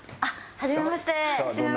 はじめまして。